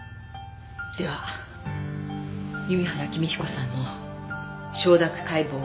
では弓原公彦さんの承諾解剖を始めます。